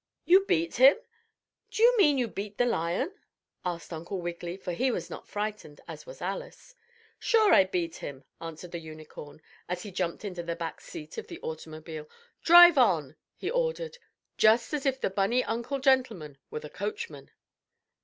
"You beat him? Do you mean beat the Lion?" asked Uncle Wiggily for he was not frightened as was Alice. "Sure I beat him," answered the Unicorn, as he jumped into the back seat of the automobile. "Drive on!" he ordered just as if the bunny uncle gentleman were the coachman.